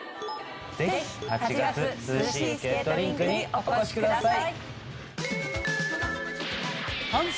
ぜひ８月涼しいスケートリンクにお越しください。